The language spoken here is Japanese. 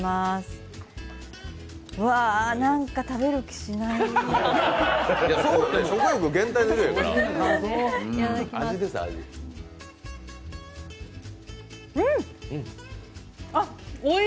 うわあ、なんか食べる気しない。